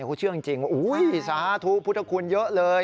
เขาเชื่อจริงว่าสาธุพุทธคุณเยอะเลย